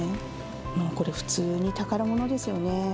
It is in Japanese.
もうこれ、普通に宝物ですよね。